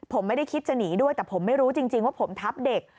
ผมไม่ได้คิดจะหนีด้วยแต่ผมไม่รู้จริงว่าผมทับเด็ก